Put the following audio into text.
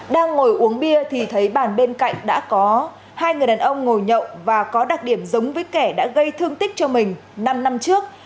đang ngồi uống bia thì thấy bàn bên cạnh đã có hai người đàn ông ngồi nhậu và có đặc điểm giống với kẻ đã gây thương tích cho mình năm năm trước